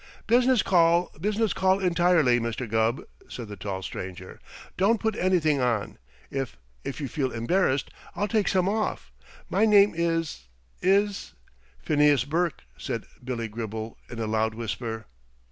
"Business call, business call entirely, Mr. Gubb," said the tall stranger. "Don't put anything on. If if you feel embarrassed I'll take some off. My name is is " "Phineas Burke," said Billy Gribble, in a loud whisper.